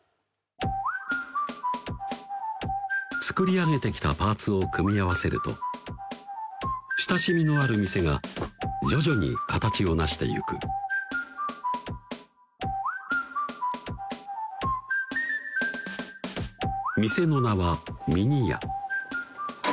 作り上げてきたパーツを組み合わせると親しみのある店が徐々に形を成してゆく店の名は「みに屋」